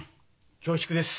恐縮です。